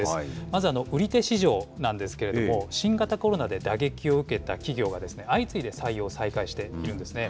まず売手市場なんですけれども、新型コロナで打撃を受けた企業は、相次いで採用を再開しているんですね。